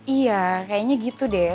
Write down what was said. iya kayaknya gitu deh